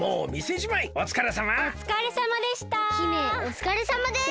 おつかれさまでした！